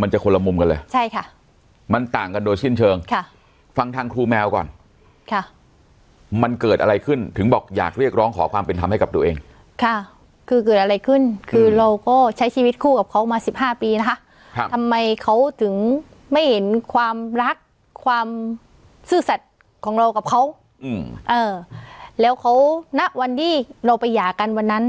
มันจะคนละมุมกันเลยใช่ค่ะมันต่างกันโดยสิ้นเชิงค่ะฟังทางครูแมวก่อนค่ะมันเกิดอะไรขึ้นถึงบอกอยากเรียกร้องขอความเป็นธรรมให้กับตัวเองค่ะคือเกิดอะไรขึ้นคือเราก็ใช้ชีวิตคู่กับเขามาสิบห้าปีนะคะครับทำไมเขาถึงไม่เห็นความรักความซื่อสัตว์ของเรากับเขาอืมเออแล้วเขาณวันที่เราไปหย่ากันวันนั้น